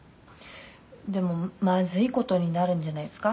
でもまずいことになるんじゃないですか？」